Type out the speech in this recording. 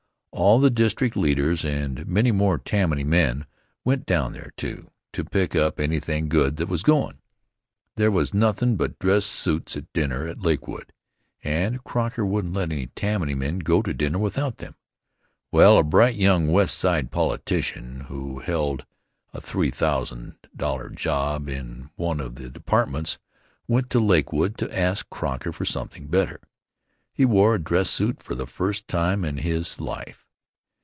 All the district leaders and many more Tammany men went down there, too, to pick up anything good that was goin.' There was nothin' but dress suits at dinner at Lakewood, and Croker wouldn't let any Tammany men go to dinner without them. Well, a bright young West Side politician, who held a three thousan dollar job in one of the departments, went to Lakewood to ask Croker for something better. He wore a dress suit for the first time in his hie.